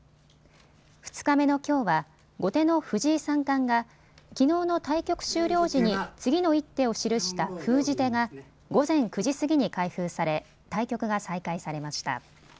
２日目のきょうは後手の藤井三冠がきのうの対局終了時に次の一手を記した封じ手が午前９時過ぎに開封され対局が再開されました。